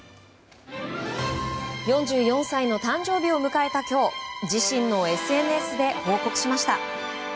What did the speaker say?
４４歳の誕生日を迎えた今日自身のＳＮＳで報告しました。